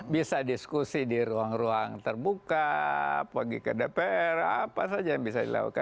bisa diskusi di ruang ruang terbuka pergi ke dpr apa saja yang bisa dilakukan